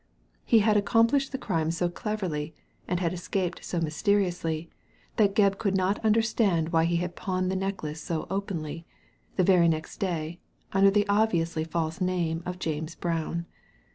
He had accomplished the crime so cleverly, and had escaped so mysteriously, that Gebb could not understand why he had pawned the necklace so openly, the very next day, under the obviously false name of James Brown.